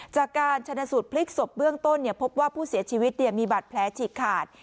จากการชนสูตรพลิกศพเบื้องต้นเนี่ยพบว่าผู้เสียชีวิตเนี่ยมีบัตรแผลฉีกขาด